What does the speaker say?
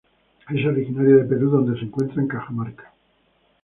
Es originaria de Perú, donde se encuentra en Cajamarca.